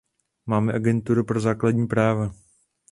Máme Agenturu pro základní práva.